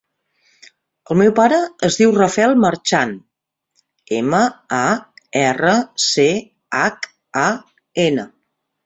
El meu pare es diu Rafael Marchan: ema, a, erra, ce, hac, a, ena.